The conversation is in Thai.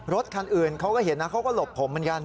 รถคันอื่นเขาก็เห็นนะเขาก็หลบผมเหมือนกัน